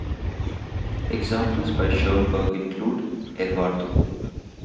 Examples by Schoenberg include "Erwartung".